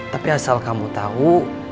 tapi asal kamu tahu